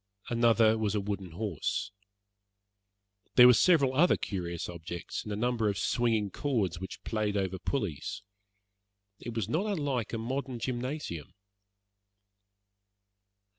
Another was a wooden horse. There were several other curious objects, and a number of swinging cords which played over pulleys. It was not unlike a modern gymnasium.